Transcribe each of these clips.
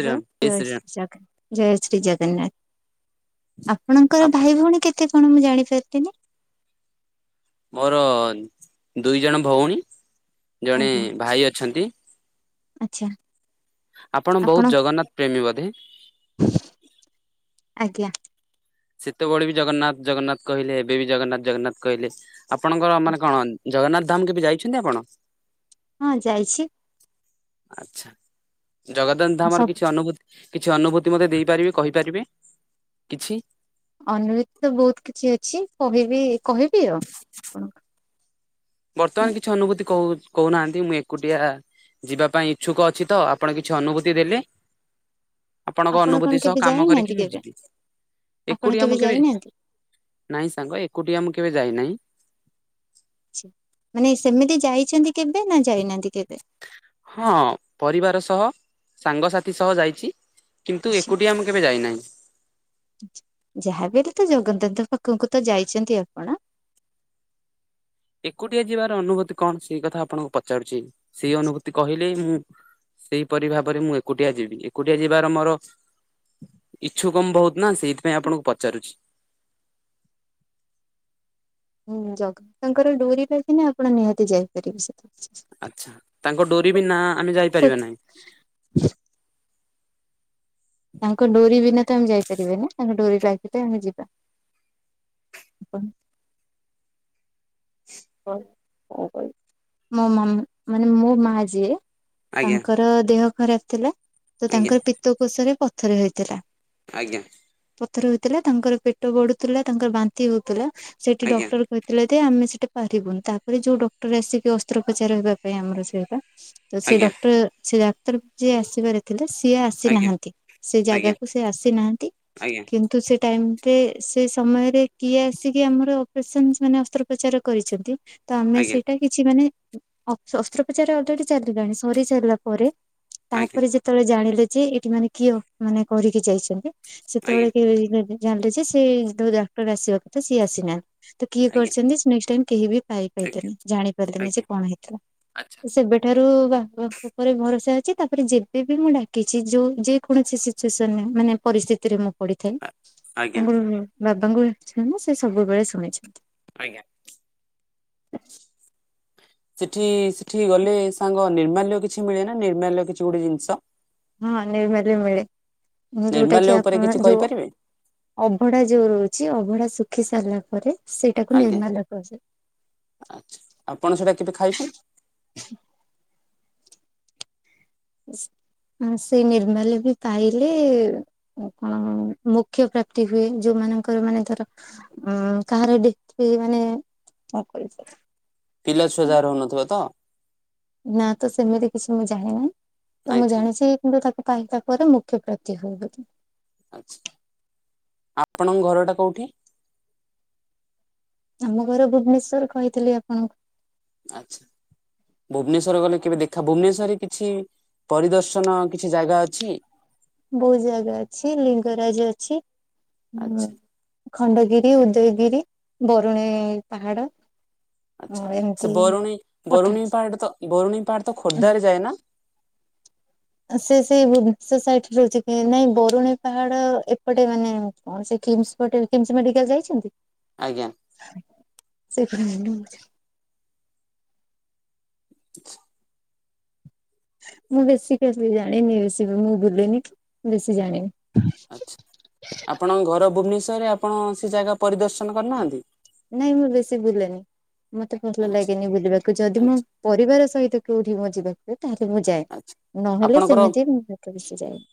Hello, ଜୟ ଶ୍ରୀରାମ ଶ୍ରୀ ଜଗନ୍, ଜୟ ଶ୍ରୀ ଜଗନ୍ନାଥ। ଆପଣଙ୍କର ଆପଣ ଭାଇ ଭଉଣୀ କେତେ କଣ ମୁଁ ଜାଣିପାରଲିନି? ମୋର ଦୁଇଜଣ ଭଉଣୀ, ଜଣେ ଆଜ୍ଞା ଭାଇ ଅଛନ୍ତି। ଆଚ୍ଛା। ଆପଣ ବହୁତ ଜଗନ୍ନାଥ ପ୍ରେମୀ ବଧେ! ଆଜ୍ଞା। ସେତେବେଳେ ବି ଜଗନ୍ନାଥ, ଜଗନ୍ନାଥ କହିଲେ ଏବେ ବି ଜଗନ୍ନାଥ, ଜଗନ୍ନାଥ କହିଲେ। ଆପଣଙ୍କର ମାନେ କଣ, ଜଗନ୍ନାଥ ଧାମ କେବେ ଯାଇଛନ୍ତି ଆପଣ? ହଁ ଯାଇଛି। ଆଛା, ଜଗଧାନ୍ ଧାମର ସବୁ କିଛି ଅନୁଭୂତି। କିଛି, ଅନୁଭୂତି ମତେ ଦେଇପାରିବେ, କହିପାରିବେ କିଛି? ଅନଭୁତି ତ ବହୁତ କିଛି ଅଛି। କହିବି କହିବି ଆଉ, ଆପଣଙ୍କୁ। ବର୍ତ୍ତମାନ କିଛି ଅନୁଭୂତି କହୁ କହୁନାହାଁନ୍ତି, ମୁଁ ଏକୁଟିଆ ଯିବା ପାଇଁ ଇଛୁକ ଅଛି ତ! ଆପଣ କିଛି ଅନୁଭୂତି ଦେଲେ ଆପଣଙ୍କ ଆପଣ କଣ ଅନୁଭୂତି ସହ କେବେ କାମ କରିକି ଯାଇନାହାନ୍ତି ମୁଁ କେବେ ଯିବି। ଆପଣ ଏକୁଟିଆ ମୁଁ କେବେ ଯାଇନାହାନ୍ତି ନାଇଁ, ସାଙ୍ଗ ଏକୁଟିଆ ମୁଁ କେବେ ଯାଇନାହିଁ। ମାନେ ସେମିତି ଯାଇଛନ୍ତି, କେବେ ନା ଯାଇନାହାନ୍ତି କେବେ? ହଁ ପରିବାର ସହ ସାଙ୍ଗସାଥି ସହ ଯାଇଚି। କିନ୍ତୁ ଏକୁଟିଆ ମୁଁ କେବେ ଯାଇନାହିଁ। ଯାହା ବି ହେଲେ ତ ଜଗଦଥ ପାଖକୁ ତ ଯାଇଛନ୍ତି ଆପଣ। ଏକୁଟିଆ ଯିବାର ଅନୁଭୂତି କଣ ସେଇ କଥା ଆପଣଙ୍କୁ ପଚାରୁଚି ସେଇ ଅନୁଭୂତି କହିଲେ ମୁଁ ସେଇପରି ଭାବରେ ମୁଁ ଏକୁଟିଆ ଯିବି ଏକୁଟିଆ ଯିବାର ମୋର ଇଚ୍ଛୁକ ମୁଁ ବହୁତ୍ ନାଁ ସେଇଥିପାଇଁ ଆପଣଙ୍କୁ ପଚାରୁଛି। ହୁଁ ଜଗନ୍ନାଥଙ୍କ ଡୋରି ଲାଗିଲେ ଆପଣ ନିହାତି ଯାଇପାରିବେ ସେତ। ଆଚ୍ଛା ତାଙ୍କ ଡୋରି ବି ନାଁ ଆମେ ଯାଇପାରିବା ନାହିଁ। ତାଙ୍କ ଡୋରି ବିନା ତ ଆମେ ଯାଇ ପାରିବାନି ତାଙ୍କ ଡୋରି ଲାଗିଲେ ଆମେ ଯିବା। [unintelligible] କଣ କହିବି ମୋ ମାମୁଁ ମାନେ ମୋ ମା ଯିଏ ଆଜ୍ଞା ତାଙ୍କର ତ ଦେହ ଖରାପ୍ ଥିଲା ତ ଆଜ୍ଞା ତାଙ୍କର ପିତକୋଷରେ ପଥର ହେଇଥିଲା। ଆଜ୍ଞା। ପଥର ହେଇଥିଲା ତାଙ୍କର ପେଟ ବଢୁଥିଲା ତାଙ୍କର ବାନ୍ତି ହଉଥିଲା ସେଠି ଆଜ୍ଞା ଡକ୍ଟର କହିଥିଲେ ଦେ ଆମେ ସେଠା ପାରିବୁନି ତାପରେ ଯୋଉ ଡକ୍ଟର ଆସିକି ଅସ୍ତ୍ରୋପଚାର ହେବା ପାଇଁ ଆମର ସେଟା। ତ ସେ ଆଜ୍ଞା ଡକ୍ଟର ସେ ଡାକ୍ତର ଯିଏ ଆସିବାର ଥିଲେ ସିଏ ଆ ଆଜ୍ଞା ସେନାହାନ୍ତି ସେ ଆଜ୍ଞା ଜାଗାକୁ ସେ ଆସିନାହାଁନ୍ତି ଆଜ୍ଞା କି ଆଜ୍ଞା ତ ସେ ଟାଇମ୍ ରେ ସେ ସମୟରେ କିଏ ଆସିକି ଆମର ଅପରେସନ୍ ମାନେ ଅସ୍ତ୍ରୋପଚାର କରିଛନ୍ତି ତ ଆମେ ସେଟା କିଛି ମାନେ ଅ ଅସ୍ତ୍ରୋପଚାର ଅଲେଡି ଚାଲିଲାଣି ସରିସାରିଲା ପରେ ଆଜ୍ଞା ତାପରେ ଯେ ଯେତେବେଳେ ଜାଣିଲେ ଯେ ଏଠି ମାନେ କିଏ ଅ ମାନେ କରିକି ଯାଇଛନ୍ତି ଆଜ୍ଞା ସେତେବେଳେ [unintelligible] ଜାଣିଲେ ଯେ ସେ ଯୋଉ ଡାକ୍ତର ଆସିବା କଥା ସିଏ ଆସିନାହାନ୍ତି ତ କିଏ କରିଛନ୍ତି ନେଷ୍ଟ ଟାଇମ୍ କେହି ବି ଖାଇ ଆଜ୍ଞା ଆଜ୍ଞା ପାଇଲେନି ଜାଣି ପାରିଲେନି ସେ ଆଜ୍ଞା କଣ ହେଇଥିଲା ଆଚ୍ଛା ସେବେ ସେଠାରୁ ବାବା ଉପରେ ଭରସା ଅଛି ତାପରେ ଯେବେ ବି ମୁଁ ଡାକିଛି ଯେଉଁ ଯେକୌଣସି ସିଚୁଏସନରେ ମାନେ ପରିସ୍ଥିତିରେ ମୁଁ ପଡିଥାଏ ଆଜ୍ଞା ତାଙ୍କୁ ବାବାଙ୍କୁ ଇଚ୍ଛା ନାଁ ସେ ସବୁବେଳେ ଶୁଣିଛନ୍ତି। ଆଜ୍ଞା। ସେଠି ସେଠି ଗଲେ ସାଙ୍ଗ ନିର୍ମାଲ୍ୟ କିଛି ମିଳେ ନା ନିର୍ମାଲ୍ୟ କିଛି ଗୋଟେ ଜିନିଷ‌। ହଁ ନିର୍ମାଲ୍ୟ ମିଳେ ଯେଉ ଟା ନିର୍ମାଲ୍ୟ କିି ଉପରେ ଆପଣ କିଛି ଯ କହିପାରିବେ ଅଭଡା ଯୋଉ ରହୁଛି ଅଭଡା ଶୁଖି ସାରିଲା ପରେ ସେଇଟାକୁ ଆଜ୍ଞା ନିର୍ମାଲ୍ୟ ଆଚ୍ଛା ଆପଣ ସେଟା କେବେ କୁହାଯାଏ। ଖାଇଛନ୍ତି [unintelligible] ନିର୍ମାଲ୍ୟ ବି ପାଇଲେ। ଆଉ କଣ ମୁଖ୍ୟ ପ୍ରାପ୍ତି ହୁଏ ଯୋଉମାନଙ୍କର ମାନେ ଧର ହଁ କାହାର ଡେଥ ପେ ମାନେ [unintelligible] ପିଲା ଛୁଆ ଜାହାର ହଉନଥିବେ ତ? ନାଁ ତ ସେମିତି କିଛି ମୁଁ ଜାଣିନି ତ ମୁଁ ଆଚ୍ଛା ଜାଣିଛି କିନ୍ତୁ ତାଙ୍କୁ ପାଇ ତା ପରେ ମୁଖ୍ୟ ପ୍ରାପ୍ତି ହୁଏ ବୋଲି। ଆଛା ଆପଣଙ୍କ ଘରଟା କୋଉଠି? ଆମ ଘର ଭୁବନେଶ୍ଵର କହିଥିଲି ଆପଣଙ୍କୁ। ଆଛା ଭୁବନେଶ୍ୱର ଗଲେ କେବେ ଦେଖା ଭୁବନେଶ୍ୱରରେ କିଛି ପରିଦର୍ଶନ କିଛି ଜାଗା ଅଛି? ବହୁତ୍ ଜାଗା ଅଛି ଲିଙ୍ଗରାଜ ଅଛି ଆଚ୍ଛା ହୁଁ। ଖଣ୍ଡଗିରି ଉଦୟଗିରି ବରୁଣେଇ ପାହାଡ। ଆଚ୍ଛା ଏମିତି ସେ ବରୁଣେଇ ପଠା ବରୁଣେଇ ପାହାଡ ତ ବରୁଣେଇ ପାହାଡ ତ ଖୋର୍ଦ୍ଧାରେ ଯାଏ ନା? ସେ ସେଇ ଭୁବୁ ସେ ସାଇଟ୍ ରହୁଛି କି ନାଇଁ ବରୁଣେଇ ପାହାଡ ଏପଟେ ମାନେ ଅ ସେ ଖିମ୍ସ୍ ପଟେ କିମ୍ସ ମେଡିକାଲ ଯାଇଛନ୍ତି? ଆଜ୍ଞା। [unintelligible] [inaudible] ମୁଁ ବେଶୀ କେସେ ଜାଣିନି ବେଶୀ ମୁଁ ବୁଲେନି ତବେଶୀ ଜାଣିନି। ଆଚ୍ଛା ଆପଣଙ୍କ ଘର ଭୁବନେଶ୍ୱରରେ ଆପଣ ସେ ଜାଗା ପରିଦର୍ଶନ କରିନାହାନ୍ତି। ନାଇଁ ମୁଁ ବେଶୀ ବୁଲେନି ମତେ ଭଲ ଆଚ୍ଛା ଲାଗେନି ବୁଲିବାକୁ ଯଦି ମୁଁ। ଆଚ୍ଛା ପରିବାର ସହିତ କେଉଠି ମୋ ଯିବାକୁ ହୁଏ ତାହେଲେ ମୁଁ ଯାଏ ଆଚ୍ଛା ନହେଲେ ସେମିତି ମୁଁ ଏତେ ବେଷି ଯାଏନି।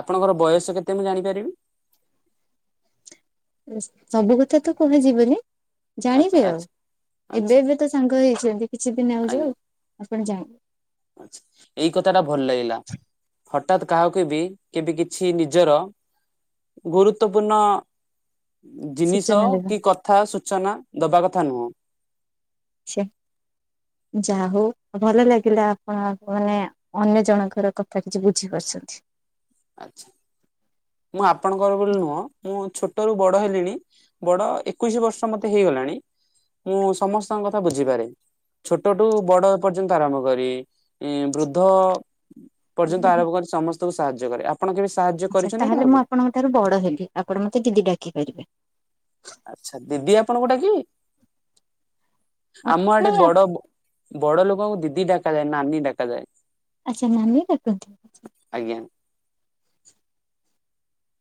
ଆପଣଙ୍କ ର ବୟସ କେତେ ମୁଁ ଜାଣିପାରିବି। ସବୁ କଥା ତ କୁହାଯିବନି। ଆଚ୍ଛା ଜାଣିବେ ଆଉ ଆଚ୍ଛା ଏବେ ଆଚ୍ଛା ଏବେ ତ ସାଙ୍ଗ ହେଇଛନ୍ତି କିଛି ଦିନ ଆଉ ଯାଉ ଆଉ ଆପଣ ଜାଣିବେ। ଆଛା ଏଇ କଥା ଟା ଭଲ ଲାଗିଲା। ହଠତ୍ କାହାକୁ ବି କେବେ କିଛି ନିଜର। ଗୁରୁତ୍ବପୂର୍ଣ୍ଣ। ଜିନିଷ ସୂଚନା ଦେବେ କି କଥା ସୂଚନା ଦବା କଥା ନୁହଁ। ଯାହା ହଉ ଭଲ ଲାଗିଲା ଆପଣ ମାନେ। ଅନ୍ୟ ଜଣଙ୍କର କଥା କିଛି ବୁଝିପାରୁଛନ୍ତି। ଆଛା ମୁଁ ଆପଣଙ୍କର ବୋଲି ନୁହଁ ମୁଁ ଛୋଟରୁୁ ବଡ ହେଲିଣି। ବଡ ଏକୋଇଶି ବର୍ଷ ମତେ ହେଇଗଲାଣି। ମୁଁ ସମସ୍ତଙ୍କ କଥା ବୁଝିପାରେ ଛୋଟଠୁ ବଡ ପର୍ଯ୍ୟନ୍ତ ଆରମ୍ଭ କରି। ଇଁ ବୃଦ୍ଧ ପର୍ଯ୍ୟନ୍ତ ଆରମ୍ଭ କରି ସମସ୍ତଙ୍କୁ ସାହାଯ୍ୟ କରେ ଆପଣ କେବେ ସାହାଯ୍ୟ। ଆଚ୍ଛା ତା କରିଛନ୍ତି ହେଲେ ମୁଁ କାହାକୁ? ଆପଣଙ୍କ ଠାରୁ ବଡ ହେବି ଆପଣ ମତେ ଦିଦି ଡାକି ପାରିବେ। ଆଚ୍ଛା ଦିଦି ଆପଣଙ୍କୁ ଡାକିବି ଆମ ଆଡେ ନାଇଁ ବଡ। ବଡ ଲୋକଙ୍କୁ ଦିଦି ଡାକାଯାଏ ନି ନାନୀ ଡାକାଯାଏ। ଆଚ୍ଛା ନାନି ଡାକନ୍ତି। ଆଜ୍ଞା।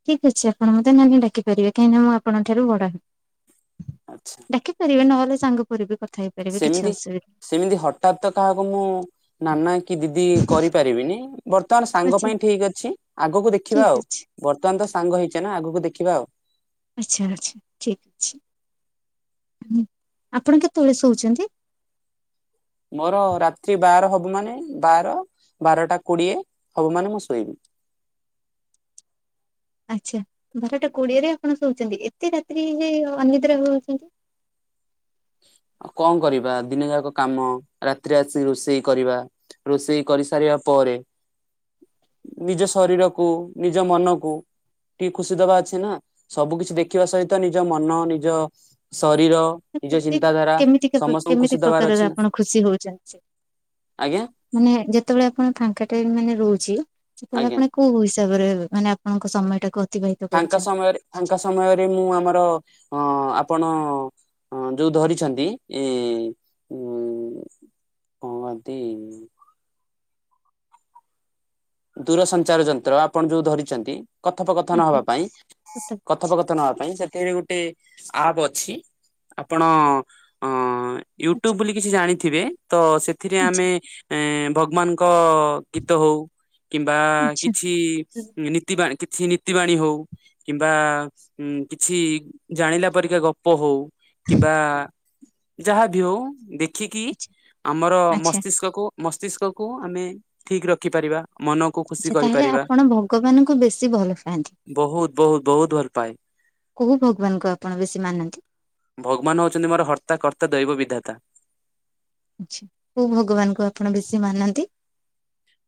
ଠିକ ଅଛି ଆପଣ ମତେ ନାନି ଡାକି ପାରିବେ କାହିଁକି ନା ମୁଁ ଆପଣଙ୍କ ଠାରୁ ବଡ ହେବି ଆଚ୍ଛା ଡାକି ପାରିବେ ନହେଲେ ସାଙ୍ଗ ପରି ବି କଥା ହେଇ ପାରିବେ କିଛି ସେମିତି ଅସୁବିଧା। ସେମିତି ହଠାତ୍ ତ କାହାକୁ ମୁଁ ନାନା କି ଦିଦି କରି ପାରିବିନି। ବର୍ତ୍ତମାନ ସାଙ୍ଗ ଆଚ୍ଛା ପାଇଁ ଠିକ ଅଛି ଆଗକୁ ଦେଖିବା ଠିକ ଆଉ ଅଛି ବର୍ତ୍ତମାନ ତ ସାଙ୍ଗ ହେଇଛ ନା ଆଗକୁ ଦେଖିବା ଆଉ। ଆଚ୍ଛା ଆଚ୍ଛା ଠିକ୍ ଅଛି ଆପଣ କେତେବେଳେ ଶୋଉଛନ୍ତି। ମୋର ରାତି ବାର ହବ ମାନେ ବାର ବାରଟା କୋଡିଏ ହବ ମାନେ ମୁଁ ଶୋଇବି। ଆଚ୍ଛା ବାରଟା କୋଡିଏରେ ଆପଣ ଶୋଉଛନ୍ତି ଏତେ ରାତ୍ରି ରେ ଅନିଦ୍ରା ହଉଛନ୍ତି। ଆଉ କଁ କରିବା ଦିନ ଯାକ କାମ ରାତିରେ ଆସିିକି ରୋଷେଇ କରିବା। ରୋଷେଇ କରି ସାରିବା ପରେ। ନିଜ ଶରୀରକୁ ନିଜ ମନକୁ। ଟିକେ ଖୁସି ଦବା ଅଛି ନା ସବୁ କିଛି ଦେଖିବା ସହିତ ନିଜ ମନ ନିଜ ଶରୀର। ମାନେ ନିଜ ଖୁସି ଚିନ୍ତାଧାରା କେମିତିକା ସମସ୍ତଙ୍କୁ ଖୁସି କେମିତି ଦବାର ଅଛି ପ୍ରକାରର ନା ଆପଣ ଖୁସି ହଉଛନ୍ତି। ଆଜ୍ଞା ମାନେ ଯେତେବେଳେ ଆପଣ ଫାଙ୍କା ଟାଇମ ମାନେ ରହୁଛି ସେତେ ବେଳେ ଆଜ୍ଞା ଆପଣ। କୋଉ ହିସାବ ରେ ମାନେ ଆପଣଙ୍କ ସମୟଟା କୁ ଅ ଫାଙ୍କା ସମୟରେ ଫାଙ୍କା ସମୟରେ ମୁଁ ଆମର ଅଁ ଆପଣ। ହଁ ଯୋଉ ଧରିଛନ୍ତି ଏଁ ଉଁ। କଁ କହନ୍ତି। ଦୂର ସଞ୍ଚାର ଯନ୍ତ୍ର ଆପଣ ଯୋଉ ଧରିଛନ୍ତି କଥୋପ କଥନ ହବା ଆଜ୍ଞା ପାଇଁ। ସତ କଥୋପ କଥନ‌ ହବା ପାଇଁ ସେଥିରେ ଗୋଟେ ଆପ୍ ଅଛି ଆପଣ ଅଁ। ୟୁ ଆଚ୍ଛା ଟ୍ୟୁବ ବୋଲି କିଛି ଜାଣିଥିବେ ତ ସେଥିରେ ଆଚ୍ଛା ଆମେ ଏଁ ଭଗବାନ। ଙ୍କ ଗୀତ ହଉ। କିମ୍ବା ଆଚ୍ଛା କିଛି ନୀତି ବାଣି କିଛି ନୀତି ବାଣୀ ହଉ। କିମ୍ବା କିଛି ଜାଣିଲା ପରିକା ଗପ ହଉ। କିମ୍ବା ଯାହା ବି ହଉ ଦେଖିକି ଆଚ୍ଛା ଆମର ଆଚ୍ଛା ମସ୍ତିଷ୍କକୁ। ମସ୍ତିଷ୍କକୁୁ ଆମେ ଠିକ ରଖିପାରିବା ମନ। ଆଛା ତାହେଲେ ଆପଣ ଭଗବାନଙ୍କୁ ବେଶୀ ଭଲ ପାଆନ୍ତି। ବହୁତ ବହୁତ ବହୁତ ଭଲ ପାଏ। କୋଉ ଭଗବାନଙ୍କୁ ଆପଣ ବେଶୀ ମାନନ୍ତି। ଭଗବାନ ହଉଛନ୍ତି ମୋର ହର୍ତ୍ତା କର୍ତ୍ତା ଦୈବ ବିଧାତା। ଆଛା କୋଉ ଭଗବାନ ଙ୍କୁ ଆପଣ ବେଶୀ ମାନନ୍ତି।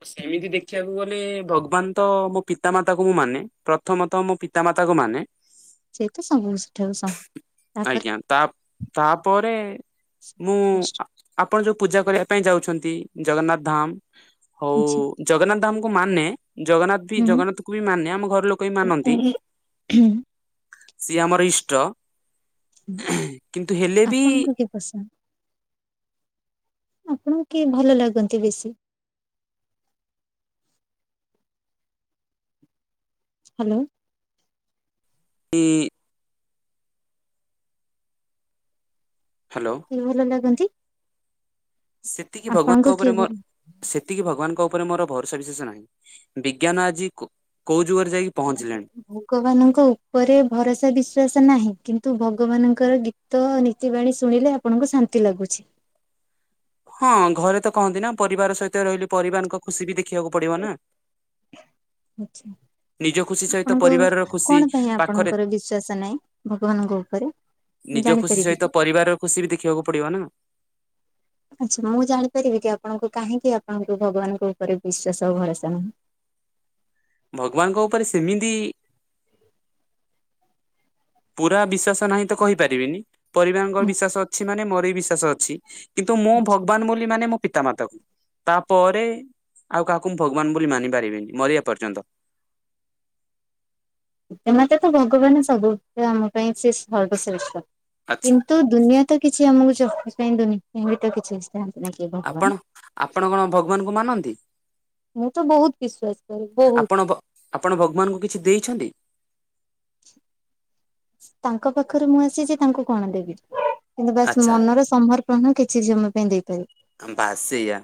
ସେମିତି ଦେଖିବାକୁ ଗଲେ ଭଗବାନ ତ ମୋ ପିତାମାତାକୁ ମୁଁ ମାନେ। ପ୍ରଥମତଃ ମୋ ପିତାମାତା କୁ ମାନେ ସେ ତ ସାଙ୍ଗୁ ସେଠା ସାଙ୍ଗ ଆଜ୍ଞା ତା ତାପରେ ମୁଁ ଶ୍ରେଷ୍ଠ। ଆପଣ ଯୋଉ ପୂଜା କରିବା ପାଇଁ ଯାଉଛନ୍ତି ଜଗନ୍ନାଥ ଧାମ ହଉ ଆଚ୍ଛା ଜଗନ୍ନାଥ ଧାମକୁ ମାନେ ଜଗନ୍ନାଥ ପି ହୁଁ ଜଗନ୍ନାଥ କୁ ବି ମାନେ ଆମ ଘର ଲୋକ ବି ମାନନ୍ତି ସିଏ ଆମର ଇଷ୍ଟ। କିନ୍ତୁ ହେଲେ ବି ଆପଣଙ୍କୁ କିଏ ପସନ୍ଦ? ଆପଣ କିଏ ଭଲ ଲାଗନ୍ତି ବେଶୀ? ହାଲୋ। ଏ ହ୍ୟାଲୋ। ଇ ଭଲ ଲାଗନ୍ତି ସେତିକି ଆପଣଙ୍କୁ ଭଗବାନଙ୍କ କିଏ ଉପରେ ମୋର ଭଲ ସେତିକି ଭଗବାନଙ୍କ ଉପରେ ମୋର ଭରସା ବିଶେଷ ନାହିଁ ବିଜ୍ଞାନ ଆଜି କୋ କୋଉ ଯୁଗରେ ଯାଇ ଭଗବାନଙ୍କ ଉପରେ ଭରସା ବିଶ୍ଵାସ ନାହିଁ କିନ୍ତୁ ଭଗବାନଙ୍କର ଗୀ ତ ନୀତି ବାଣୀ ଶୁଣିଲେ ଆପଣଙ୍କୁ ଶାନ୍ତି ଲାଗୁଛି। ହଁ ଘରେ ତ କହନ୍ତି ନା ପରିବାର ସହିତ ରହିଲି ପରିବାରଙ୍କ ଖୁସି ବି ଦେଖିବାକୁ ପଡିବ ନା। ଆଛା। ନିଜ ଖୁସି ସହିତ ଆପଣଙ୍କୁ ପରିବାରର ଖୁସି କଣ ପାଇଁ ପାଖରେ ଆପଣଙ୍କର ବିଶ୍ଵାସ ନାହିଁ ଭଗବାନଙ୍କ ଉପରେ? ମୁଁ ନିଜ ଖୁସି ଜାଣିପାରିବି କି? ସହିତ ପରିବାରର ଖୁସି ବି ଦେଖିବାକୁ ପଡିବ ନା। ଆଚ୍ଛା ମୁଁ ଜାଣିପାରିବି କି ଆପଣଙ୍କୁ କାହିଁକି ଆପଣଙ୍କୁ ଭଗବାନଙ୍କ ଉପରେ ବିଶ୍ଵାସ ଆଉ ଭରସା ନାହିଁ? ଭଗବାନଙ୍କ ଉପରେ ସେମିତି ପୁରା ବିଶ୍ୱାସ ନାହିଁ ତ କହିପାରିବିନି ପରିବାଙ୍କ ବିଶ୍ୱାସ ଅଛି ମାନେ ମୋର ବି ବିଶ୍ଵାସ ଅଛି। କିନ୍ତୁ ମୁଁ ଭଗବାନ୍‌ ବୋଲି ମାନେ ମୋ ପିତାମାତା। ତାପରେ ଆଉ କାହାକୁ ମୁଁ ଭଗବାନ ବୋଲି ମାନି ପାରିବିନି ମରିବା ପର୍ଯ୍ୟନ୍ତ। ତେ ମତେ ତ ଭଗବାନ ସବୁ ଆମ ପାଇଁ ସେ ସର୍ବଶ୍ରେଷ୍ଠ ଆଚ୍ଛା କିନ୍ତୁ ଦୁନିଆ ତ କିଛି ଆମକୁ ଚିୁନି ଏ କିଛି ଯାଆନ୍ତି ନାଁ ଆପଣ ଆପଣ କଣ ଭଗବାନଙ୍କୁ ମାନନ୍ତି? ମୁଁ ତ ବହୁତ ବିଶ୍ଵାସ କରେ ବହୁତ ଆପଣ ଭ ଆପଣ ଭଗବାନଙ୍କୁ କିଛି ଦେଇଛନ୍ତି? ତାଙ୍କ ପାଖରେ ମୁଁ ଆସିଛି ତାଙ୍କୁ କଣ ଦେବି? କିନ୍ତୁ ବାସ୍‌ ଆଚ୍ଛା ମନର ସମର୍ପଣ କିଛି ଜମା ପାଇଁ ଦେଇପାରି ଆଁ ବାସୀ ଆ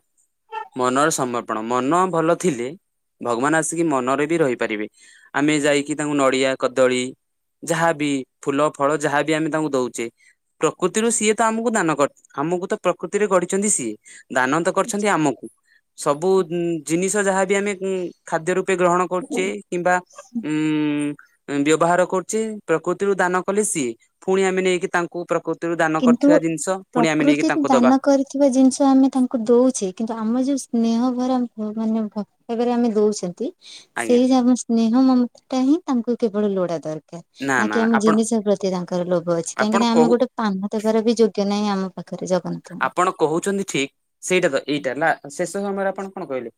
ମନର ସମର୍ପଣ ମନ ଭଲ ଥିଲେ ଭଗବାନ ଆସିକି ମନରେ ବି ରହିପାରିବେ ଆମେ ଯାଇକି ତାଙ୍କୁ ନଡିଆ କଦଳୀ ଯାହାବି ଫୁଲ ଫଳ ଯାହାବି ଆମେ ତାଙ୍କୁ ଦଉଚେ ପ୍ରକୃତିରୁ ସିଏ ତ ଆମକୁ ଦାନ କର ଆମକୁ ତ ପ୍ରକୃତିରେ ଗଢ ଚନ୍ତି ସିଏ ଦାନ ତ କରିଛନ୍ତି ଆମକୁ। ସବୁ ଉଁ ଜିନିଷ ଯାହାବି ଆମେ ଉଁ ଖାଦ୍ୟ ରୂପେ ଗ୍ରହଣ କରୁଚେ କିମ୍ବା ଉଁ ବ୍ୟବହାର କରୁଚେ ପ୍ରକୃତିରୁ ଦାନ କଲେ ସିଏ ଫୁଣି ଆମେ ନେଇକି ତାଙ୍କୁ ପ୍ରକୃତିରୁ ଦାନ କିନ୍ତୁ କରିଥିବା ଜିନିଷ ପୁଣି ଆମେ ନେଇକି ତାଙ୍କୁ ଦବା। ଥିବା ଜିନିଷ ଆମେ ତାଙ୍କୁ ଦଉଛେ କିନ୍ତୁ ଆମର ଯୋଉ ସ୍ନେହ ଭରା ମାନେ ଏବେରେ ଆମେ ଦଉଛନ୍ତି ଆଜ୍ଞା ସେଇ ଯେ ଆମ ସ୍ନେହ ମମତା ହିଁ ତାଙ୍କୁ କେବଳ ଲୋଡା ଦର ନା କି ଆମ ଜିନିଷ ପ୍ରତି ତାଙ୍କର ଲୋଭ ଅଛି କାହିଁକି ଆପଣ ନା ଆମେ କହୁ ଗୋଟେ ପାନ ଦେବାର ବି ଯୋଗ୍ୟ ନାହିଁ ଆମ ପାଖରେ ଜଗନ୍ନାଥ। ଆପଣ କହୁଛନ୍ତି ଠିକ ସେଇଟା ତ ଏଇଟା ନା ଶେଷ ସମୟରେ ଆପଣ କଣ କହିଲେ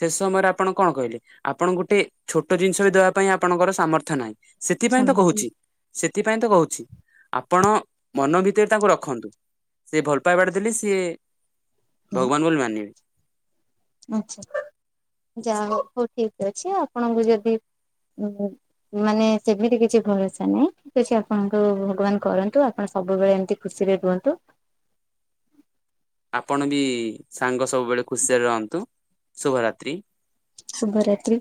ଶେଷ ସମୟରେ ଆପଣ କଣ କହିଲେ ଆପଣ ଗୋଟେ ଛୋଟ ଜିନିଷ ବି ଦବା ପାଇଁ ଆପଣଙ୍କର ସାମର୍ଥ୍ୟ ନାହିଁ ସେଥିପାଇଁ ତ କହୁଛି ଜଗନ୍ନାଥଙ୍କୁ। ସେଥିପାଇଁ ତ କହୁଛି ଆପଣ ମନ ଭିତରେ ତାଙ୍କୁ ରଖନ୍ତୁ। ସି ଭଲ ପାଇବାଟ ଦେଲେ ସିଏ ଭଗବାନ ବୋଲି ମାନିବେ। ଆଛା ଯା ହ ହଉ ଠିକ ଅଛି ଆପଣଙ୍କୁ ଯଦି [unintelligible] ମାନେ ସେମିତି କିଛି ଭରସା ନାଇଁ। [unintelligible] ଆପଣଙ୍କୁ ଭଗବାନ କରନ୍ତୁ ଆପଣ ସବୁବେଳେ ଏମିତି ଖୁସିରେ ରୁହନ୍ତୁ। ଆପଣ ବି ସାଙ୍ଗ ସବୁବେଳେ ଖୁସିରେ ରହନ୍ତୁ ଶୁଭରାତ୍ରି। ଶୁଭରାତ୍ରି।